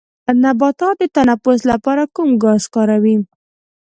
نباتات د تنفس لپاره کوم ګاز کاروي